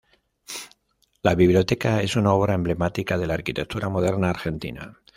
La Biblioteca es una obra emblemática de la arquitectura moderna argentina.